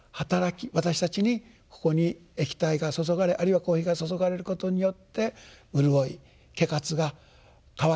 私たちにここに液体が注がれあるいはコーヒーが注がれることによって潤い飢渇が渇きが除かれる。